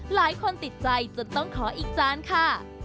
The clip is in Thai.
หลายคนติดใจจนต้องขออีกจานค่ะ